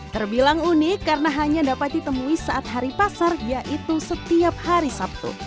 terbilang unik karena hanya dapat ditemui saat hari pasar yaitu setiap hari sabtu